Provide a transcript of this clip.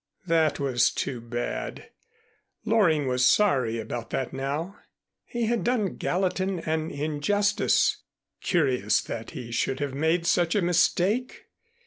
That was too bad. Loring was sorry about that now. He had done Gallatin an injustice. Curious that he should have made such a mistake.